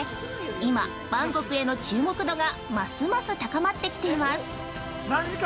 今バンコクへの注目度がますます高まってきています。